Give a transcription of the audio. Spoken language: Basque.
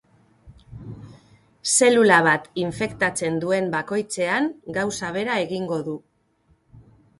Zelula bat infektatzen duen bakoitzean gauza bera egingo du.